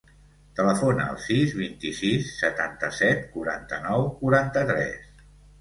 Telefona al sis, vint-i-sis, setanta-set, quaranta-nou, quaranta-tres.